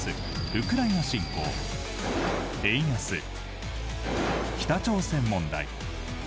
ウクライナ侵攻、円安北朝鮮問題。